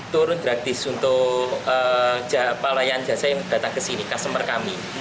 turun gratis untuk pelayan jasa yang datang ke sini customer kami